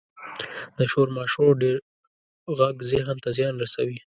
• د شور ماشور ډېر ږغ ذهن ته زیان رسوي.